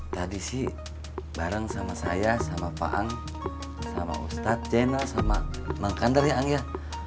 tadi sih bareng sama saya sama pak ang sama ustadz jena sama mangkander ya ang ya